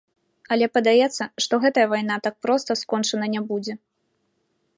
Але, падаецца, што гэтая вайна так проста скончана не будзе.